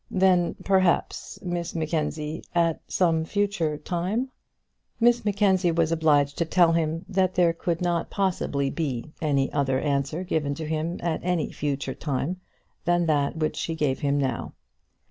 Then, perhaps, Miss Mackenzie, at some future time " Miss Mackenzie was obliged to tell him that there could not possibly be any other answer given to him at any future time than that which she gave him now.